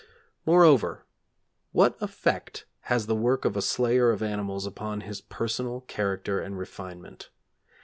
Moreover, what effect has the work of a slayer of animals upon his personal character and refinement?